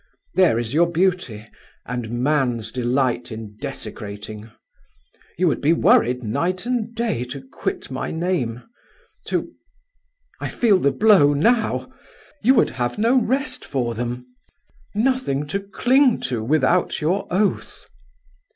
There is your beauty, and man's delight in desecrating. You would be worried night and day to quit my name, to ... I feel the blow now. You would have no rest for them, nothing to cling to without your oath."